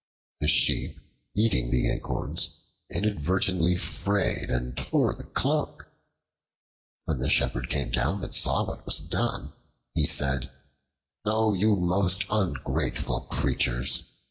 The Sheep eating the acorns inadvertently frayed and tore the cloak. When the Shepherd came down and saw what was done, he said, "O you most ungrateful creatures!